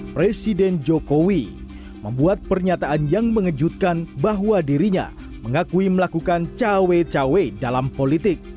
presiden jokowi membuat pernyataan yang mengejutkan bahwa dirinya mengakui melakukan cawe cawe dalam politik